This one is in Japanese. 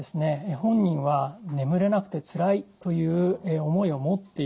本人は眠れなくてつらいという思いを持っているんです。